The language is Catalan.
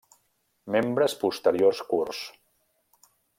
Membres posteriors curts.